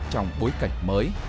trong bối cảnh mới